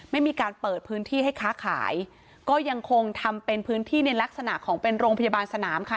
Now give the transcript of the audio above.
ไม่มีการเปิดพื้นที่ให้ค้าขายก็ยังคงทำเป็นพื้นที่ในลักษณะของเป็นโรงพยาบาลสนามค่ะ